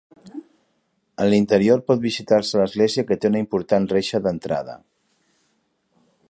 En l'interior pot visitar-se l'església que té una important reixa d'entrada.